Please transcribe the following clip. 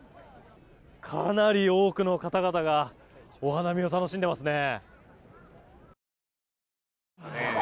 かなり多くの方々がお花見を楽しんでますね。